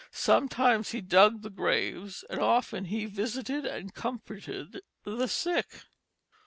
Sometimes he dug the graves, and often he visited and comforted the sick.